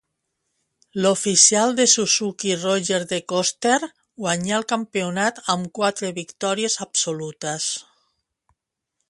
L'oficial de Suzuki Roger De Coster guanyà el campionat amb quatre victòries absolutes.